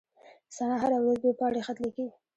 ثنا هره ورځ دوې پاڼي خط ليکي.